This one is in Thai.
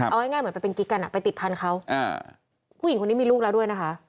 เอาง่ายเหมือนไปเป็นกิ๊กกันไปติดพันธุ์เขาผู้หญิงคนนี้มีลูกแล้วด้วยนะคะ